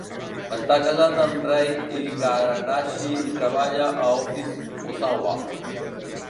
Està casat amb Rei Igarashi i treballa a Office Osawa.